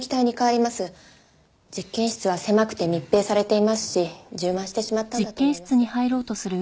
実験室は狭くて密閉されていますし充満してしまったんだと思います。